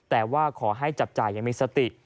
แต่ว่าขอให้จับจ่ายอย่างมีสติ